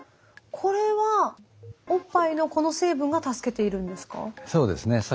これはおっぱいのこの成分が助けているんですか？